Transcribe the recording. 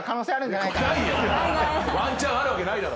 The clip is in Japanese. ワンチャンあるわけないだろ。